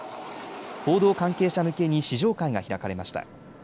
報道関係者向けに試乗会が開かれました。